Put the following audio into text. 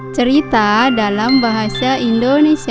cerita dalam bahasa indonesia